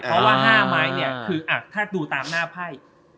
เพราะว่า๕ไม้เนี่ยคือถ้าดูตามหน้าไพ่